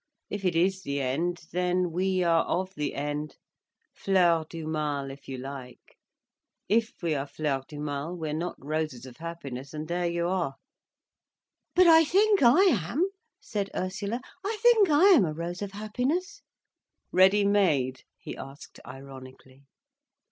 If it is the end, then we are of the end—fleurs du mal if you like. If we are fleurs du mal, we are not roses of happiness, and there you are." "But I think I am," said Ursula. "I think I am a rose of happiness." "Ready made?" he asked ironically.